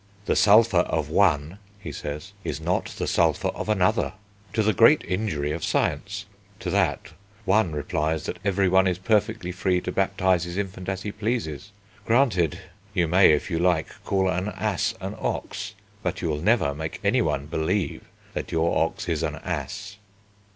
"The sulphur of one," he says, "is not the sulphur of another, to the great injury of science. To that one replies that everyone is perfectly free to baptise his infant as he pleases. Granted. You may if you like call an ass an ox, but you will never make anyone believe that your ox is an ass."